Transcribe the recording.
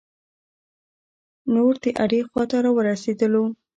نور د اډې خواته را ورسیدلو.